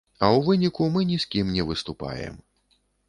А ў выніку мы ні з кім не выступаем.